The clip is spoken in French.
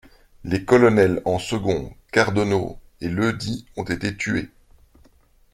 Les colonels en second Cardenau et Leudy ont été tués.